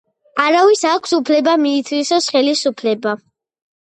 არავის აქვს უფლება მიითვისოს ხელისუფლება.